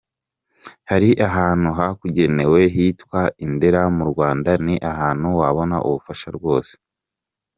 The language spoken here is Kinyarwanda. Hari ahantu hakugenewe hitwa i Ndera mu Rwanda ni ahantu wabona ubufasha rwose “…!